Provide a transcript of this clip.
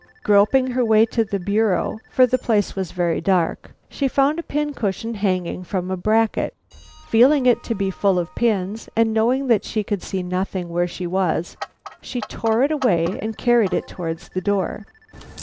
Groping her way to the bureau, for the place was very dark, she found a pin cushion hanging from a bracket. Feeling it to be full of pins, and knowing that she could see nothing where she was, she tore it away and carried it towards the door.